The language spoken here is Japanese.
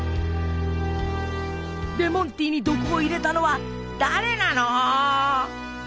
レモンティーに毒を入れたのは誰なの？